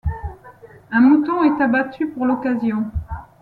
Un mouton est abattu pour l'occasion.